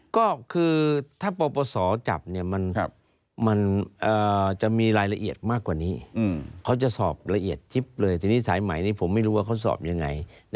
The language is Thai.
ก็คือถ้าปปศจับมันจะมีรายละเอียดมากกว่านี้เขาจะสอบละเอียดจิ๊บเลยทีนี้สายใหม่นี้ผมไม่รู้ว่าเขาสอบยังไง